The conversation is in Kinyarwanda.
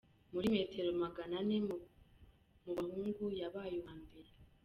Muri metero magana ane mu bahungu, yabaye uwa mbere.